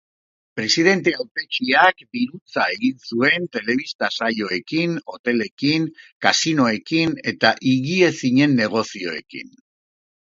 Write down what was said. Presidente hautetsiak dirutza egin zuen telebista-saioekin, hotelekin, kasinoekin eta higiezinen negozioekin.